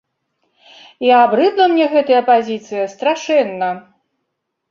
І абрыдла мне гэтая пазіцыя страшэнна.